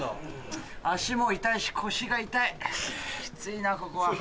足も痛いし腰が痛いきついなここは。